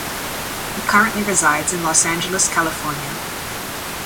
He currently resides in Los Angeles, California.